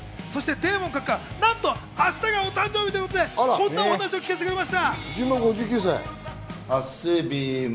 デーモン閣下、なんと明日がお誕生日ということでこんなお話を聞かせてくれました。